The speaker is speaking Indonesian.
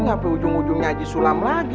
ini ngapain ujung ujungnya haji sulam lagi